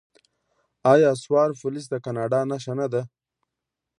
آیا سوار پولیس د کاناډا نښه نه ده؟